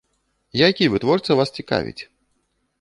Які вытворца вас цікавіць?